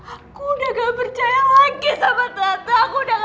aku udah gak percaya lagi sama tante aku udah gak